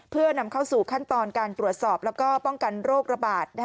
เพื่อนำเข้าสู่ขั้นตอนการตรวจสอบแล้วก็ป้องกันโรคระบาด